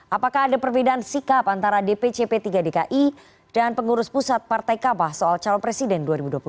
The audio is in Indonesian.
apakah ada perbedaan sikap antara dpc p tiga dki dan pengurus pusat partai kabah soal calon presiden dua ribu dua puluh empat